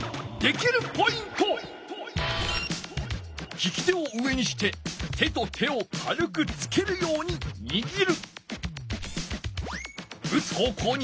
きき手を上にして手と手を軽くつけるようににぎる。